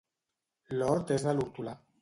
L'hort és de l'hortolà.